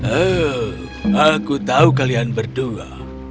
oh aku tahu kalian berdua